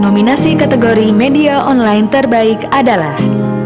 nominasi kategori media online terbaik adalah